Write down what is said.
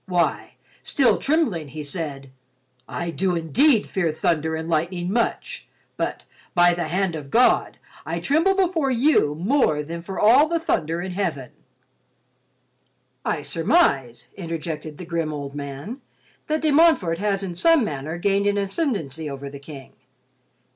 Why, still trembling, he said, 'I do indeed fear thunder and lightning much, but, by the hand of God, I tremble before you more than for all the thunder in Heaven!'" "I surmise," interjected the grim, old man, "that De Montfort has in some manner gained an ascendancy over the King.